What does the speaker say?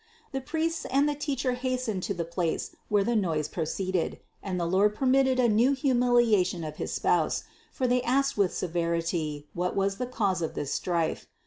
The priests and the teacher hastened to the place whence the noise proceeded, and the Lord permitted a new humiliation of his Spouse, for they asked with severity, what was the cause of this strife.